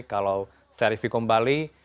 kalau serifikum bali